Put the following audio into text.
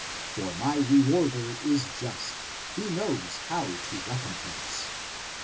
For my rewarder is just; he knows how to recompense. 8 Comp.